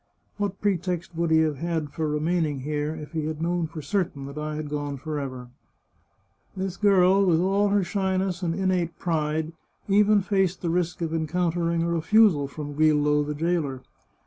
What pretext would he have had for remaining here, if he had known for certain that I had gone forever ?" This girl, with all her sh)Tiess and innate pride, even The Chartreuse of Parma faced the risk of encountering a refusal from Grillo, the jailer.